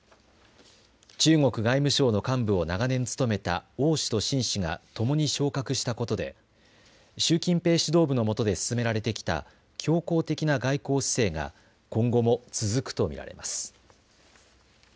中国外務省の幹部を長年務めた王氏と秦氏が共に昇格したことで習近平指導部の下で進められてきた強硬的な外交姿勢が今後も続くと見られます。